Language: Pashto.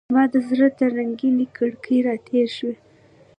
زما د زړه تر رنګینې کړکۍ راتیر شو